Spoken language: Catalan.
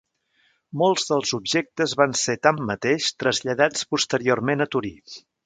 Molts dels objectes van ser, tanmateix, traslladats posteriorment a Torí.